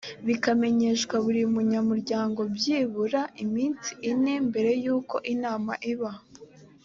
bikamenyeshwa buri munyamuryango byibura iminsi ine mbere y’uko inama iba